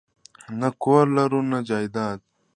نه کور لرو نه جایداد